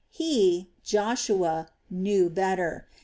He, Joshua, knew better.